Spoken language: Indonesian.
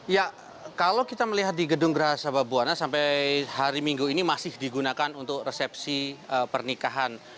ya kalau kita melihat di gedung geraha sababwana sampai hari minggu ini masih digunakan untuk resepsi pernikahan